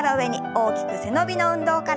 大きく背伸びの運動から。